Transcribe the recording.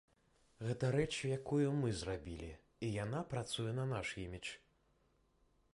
Гэта рэч, якую мы зрабілі, і яна працуе на наш імідж.